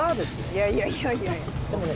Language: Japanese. いやいやいやいやお二人でもね